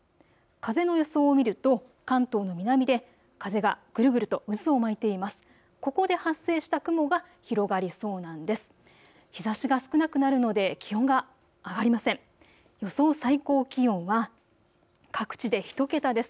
風の予想を見ると関東の南で風がぐるぐると渦を巻いています。